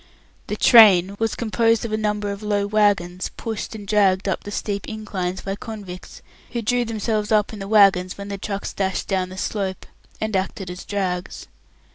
The "train" was composed of a number of low wagons pushed and dragged up the steep inclines by convicts, who drew themselves up in the wagons when the trucks dashed down the slope, and acted as drags.